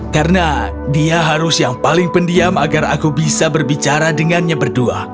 karena dia harus yang paling pendiam agar aku bisa berbicara dengannya berdua